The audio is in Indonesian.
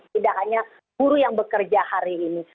tidak hanya buruh yang bekerja hari ini